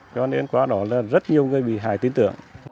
cho nên qua đó là rất nhiều người bị hại tin tưởng